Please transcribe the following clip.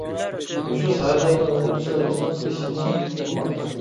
مۇشۇ ساھەدە يەنە نۇرغۇن ئىشلار بىزنىڭ قىلىشىمىزنى كۈتۈپ تۇرماقتا.